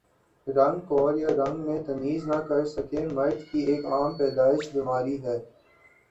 رنگ کور یا رنگ میں تمیز نہ کر سکہ مرد کی ایک عام پیدائش بیماری ہے